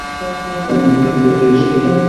শুধুমাত্র দুইটি শীট খুঁজে পেয়েছি।